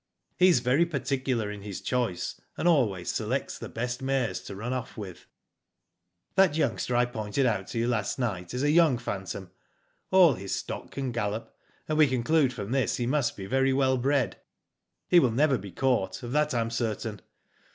'* He is very particular in his choice, and always selects the best mares to run off with. "That youngster I pointed out to you last night is a young phantom. • All his stock can gallop, Digitized byGoogk THE PHANTOM HORSE, 99 and we conclude from this he must be very well bred. He will never be caught, of that I am certain.